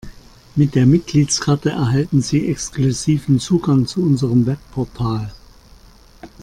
Mit der Mitgliedskarte erhalten Sie exklusiven Zugang zu unserem Webportal.